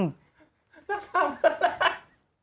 รักสาวเสื้อลาย